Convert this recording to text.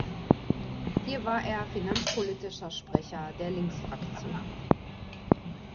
Hier war er finanzpolitischer Sprecher der Linksfraktion.